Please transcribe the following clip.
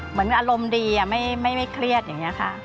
เหมือนอารมณ์ดีไม่เครียดอย่างนี้ค่ะ